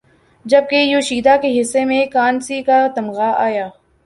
جبکہ یوشیدا کے حصے میں کانسی کا تمغہ آیا